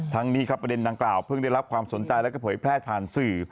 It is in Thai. ทั้งนี้ครับประเด็นดังกล่าวเพิ่งได้รับความสนใจและเผยแพร่ผ่านสื่อ